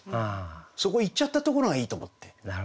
そこ言っちゃったところがいいと思って。